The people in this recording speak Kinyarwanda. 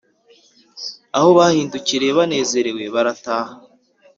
aho bahindukiriye banezerewe barataha,